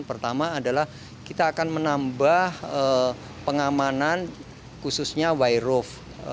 pertama adalah kita akan menambah pengamanan khususnya wire roof